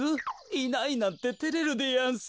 いないなんててれるでやんす。